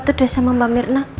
waktu itu sudah sama mbak mirna